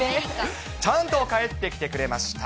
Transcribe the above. ちゃんと帰ってきてくれました。